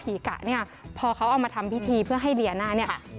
พี่กะเนี่ยพอเขาเอามาทำพิธีเพื่อให้เรียนหน้าเนี่ย